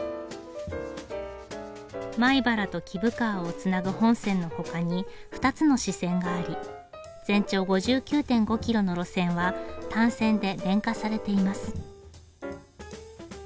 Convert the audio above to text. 米原と貴生川をつなぐ本線の他に２つの支線があり全長５９．５キロの路線は単線で電化されています。